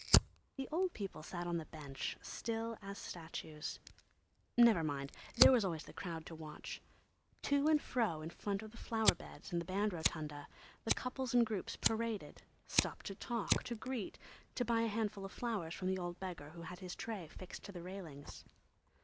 The old people sat on the bench, still as statues. Never mind, there was always the crowd to watch. To and fro, in front of the flower beds and the band rotunda, the couples and groups paraded, stopped to talk, to greet, to buy a handful of flowers from the old beggar who had his tray fixed to the railings.